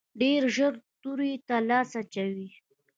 ډېر ژر تورې ته لاس اچوو.